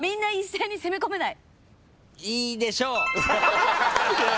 いいでしょう。